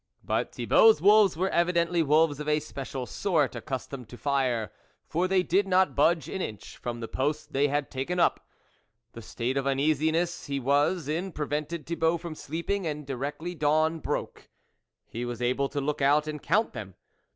But Thibault's wolves were evidently wolves of a special sort, accustomed to fire, for they did not budge an inch from the post they had taken up. The state of uneasiness he was in prevented Thibault from sleeping, and directly dawn broke, he was able to look out and count them.